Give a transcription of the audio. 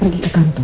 aku udah mau masuk